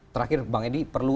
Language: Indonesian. terakhir bang edi perlu